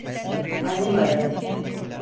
Annem aradı.